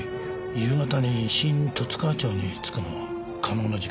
夕方に新十津川町に着くのも可能な時間です。